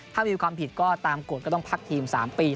ถ้ามีความผิดก็ตามกฎก็ต้องพักทีม๓ปี